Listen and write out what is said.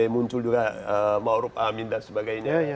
muncul juga ma'ruf amin dan sebagainya